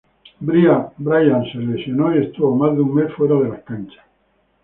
Brian se lesionó y estuvo más de un mes afuera de las canchas.